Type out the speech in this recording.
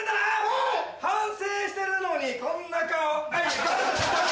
反省してるのにこんな顔。